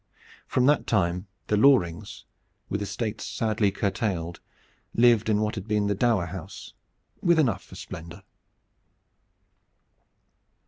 From that time the Lorings, with estates sadly curtailed, lived in what had been the dower house, with enough for splendor.